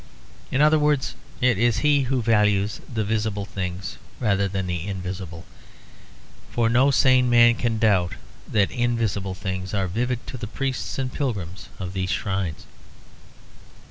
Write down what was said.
In other words, it is he who values the visible things rather than the invisible; for no sane man can doubt that invisible things are vivid to the priests and pilgrims of these shrines.